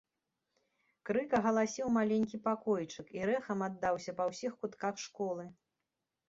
Крык агаласіў маленькі пакойчык і рэхам аддаўся па ўсіх кутках школы.